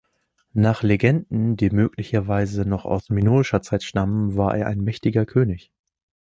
Nach Legenden, die möglicherweise noch aus minoischer Zeit stammen, war er ein mächtiger König.